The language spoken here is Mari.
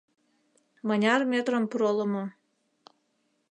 Мыняр метрым пролымо?